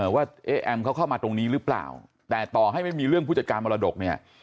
ว่าเอ๊แอมเขาเข้ามาตรงนี้หรือเปล่าแต่ต่อให้ไม่มีเรื่องผู้จัดการมรดกเนี่ย